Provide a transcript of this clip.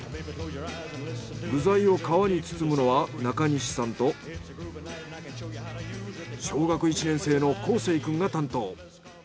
具材を皮に包むのは中西さんと小学１年生の康成くんが担当。